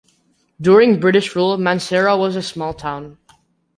During British rule, Mansehra was a small town.